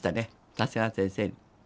長谷川先生に。